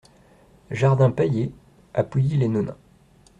Jardin Pailler à Pouilly-les-Nonains